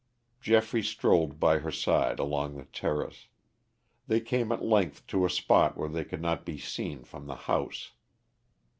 Geoffrey strolled by her side along the terrace. They came at length to a spot where they could not be seen from the house.